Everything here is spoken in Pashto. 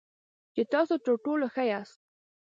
چې تاسو تر ټولو ښه یاست .